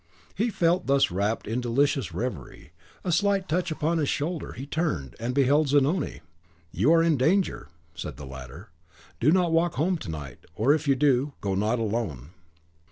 He felt, while thus wrapped in delicious reverie, a slight touch upon his shoulder; he turned, and beheld Zanoni. "You are in danger," said the latter. "Do not walk home to night; or if you do, go not alone."